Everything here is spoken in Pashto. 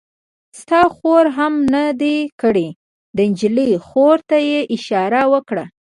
ستا خور هم نه دی کړی؟ د نجلۍ خور ته یې اشاره وکړه.